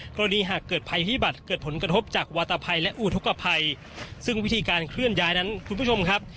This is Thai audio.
หากเกิดภัยพิบัตรเกิดผลกระทบจากวาตภัยและอุทธกภัยซึ่งวิธีการเคลื่อนย้ายนั้นคุณผู้ชมครับ